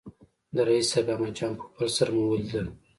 د رییس صاحب احمد جان پوپل سره مو ولیدل.